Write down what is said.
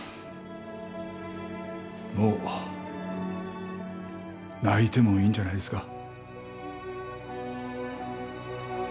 もう泣いてもいいんじゃないですか？